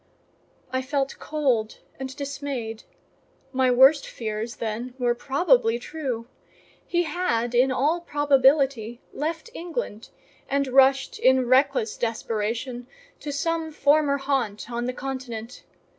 '" I felt cold and dismayed: my worst fears then were probably true: he had in all probability left England and rushed in reckless desperation to some former haunt on the Continent.